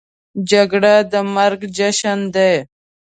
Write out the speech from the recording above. جګړه د مرګ جشن دی